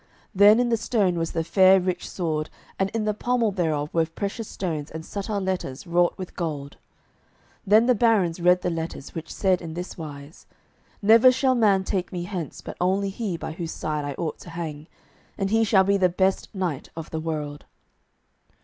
There in the stone was the fair rich sword, and in the pommel thereof were precious stones and subtile letters wrought with gold. Then the barons read the letters, which said in this wise: "Never shall man take me hence but only he by whose side I ought to hang, and he shall be the best knight of the world."